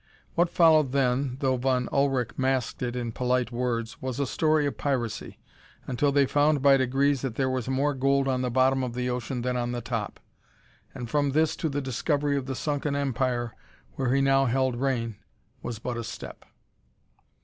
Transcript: What followed then, though Von Ullrich masked it in polite words, was a story of piracy, until they found by degrees that there was more gold on the bottom of the ocean than the top; and from this to the discovery of the sunken empire where he now held reign was but a step.